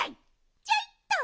ちょいっと。